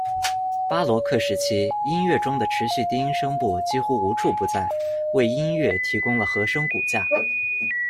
巴罗克时期音乐中的持续低音声部几乎无处不在，为音乐提供了和声骨架。